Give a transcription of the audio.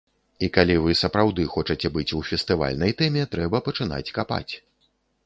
І калі вы сапраўды хочаце быць у фестывальнай тэме, трэба пачынаць капаць.